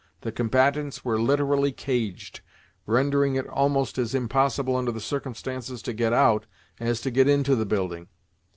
The combatants were literally caged, rendering it almost as impossible under the circumstances to get out, as to get into the building.